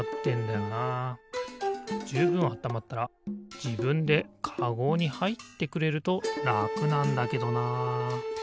じゅうぶんあったまったらじぶんでカゴにはいってくれるとらくなんだけどな。